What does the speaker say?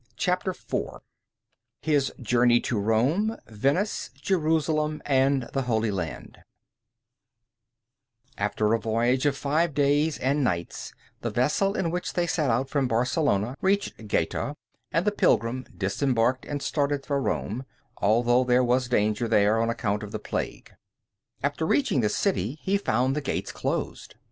CHAPTER IV HIS JOURNEY TO ROME, VENICE, JERUSALEM, AND THE HOLY LAND After a voyage of five days and nights the vessel in which they set out from Barcelona reached Gaeta, and the pilgrim disembarked and started for Rome, although there was danger there on account of the plague. After reaching the city, he found the gates closed.